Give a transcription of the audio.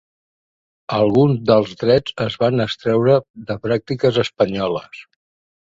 Alguns dels drets es van extreure de pràctiques espanyoles.